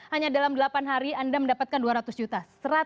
hanya dalam delapan hari anda mendapatkan dua ratus juta